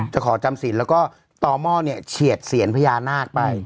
จะขอจำศีลแล้วก็ตอม่อเฉียดเศียรพญานาคไป